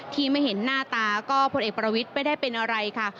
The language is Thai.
ที่ไม่เห็นหน้าตาก็พลเอกประวิทย์ไม่ได้เป็นอะไรค่ะ